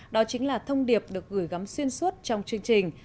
đó chính là thông điệp được gửi gắm xuyên suốt trong chương trình